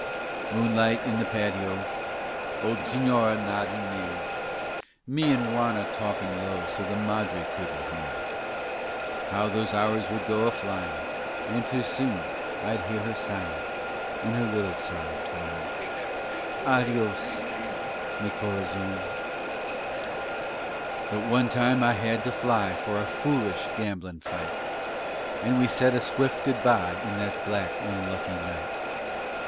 Moonlight in the patio, Old Señora noddin' near, Me and Juana talkin' low So the Madre couldn't hear How those hours would go a flyin'! And too soon I'd hear her sighin' In her little sorry tone "Adios, mi corazon!" But one time I had to fly For a foolish gamblin' fight, And we said a swift goodbye In that black, unlucky night.